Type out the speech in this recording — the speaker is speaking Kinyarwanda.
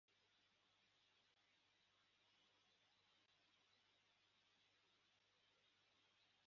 Umucyo n'umwijima ukuri n'ibinyoma byashyizwe imbere yabo.